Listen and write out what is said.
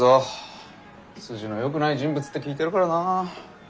筋のよくない人物って聞いてるからな。